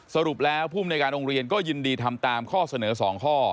สรุปแล้วภูมิในการโรงเรียนก็ยินดีทำตามข้อเสนอ๒ข้อ